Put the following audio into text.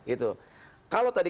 itu kalau tadi